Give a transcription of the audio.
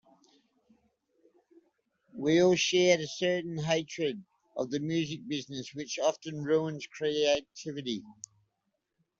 We all shared a certain hatred of the music business which often ruins creativity.